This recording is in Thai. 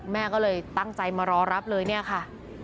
แม่ก็เลยตั้งใจมารอรับเลยเนี่ยค่ะ